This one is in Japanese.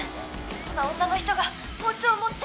「今女の人が包丁を持って」